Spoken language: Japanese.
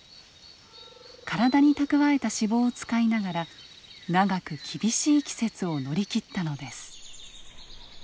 体に蓄えた脂肪を使いながら長く厳しい季節を乗り切ったのです。